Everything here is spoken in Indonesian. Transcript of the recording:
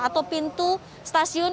atau pintu stasiun